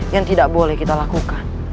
yang tidak boleh kita lakukan